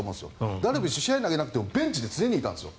ダルビッシュ試合に投げなくてもベンチに常にいたんですよ。